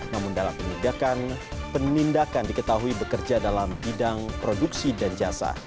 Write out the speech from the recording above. namun dalam penindakan penindakan diketahui bekerja dalam bidang produksi dan jasa